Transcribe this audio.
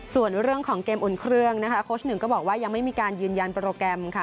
ส่วนเรื่องของเกมอุ่นเครื่องนะคะโค้ชหนึ่งก็บอกว่ายังไม่มีการยืนยันโปรแกรมค่ะ